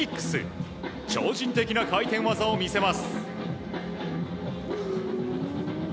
超人的な回転技を見せます。